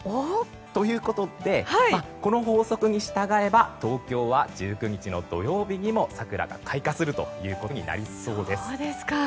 ということでこの法則に従えば東京は１９日の土曜日にも桜が開花することになりそうです。